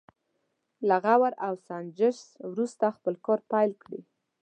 له غور او سنجش وروسته خپل کار پيل کړي.